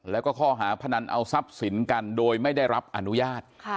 แล้วก็ข้อหาพนันเอาทรัพย์สินกันโดยไม่ได้รับอนุญาต